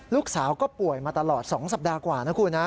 ลูกสาวก็ป่วยมาตลอด๒สัปดาห์กว่านะคุณนะ